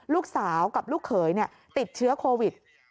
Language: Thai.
ลูกสาวกับลูกเขยติดเชื้อโควิด